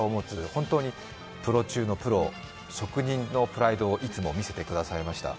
本当にプロ中のプロ、職人のプライドをいつも見せてくださいました。